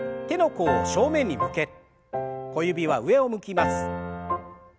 手の甲を正面に向け小指は上を向きます。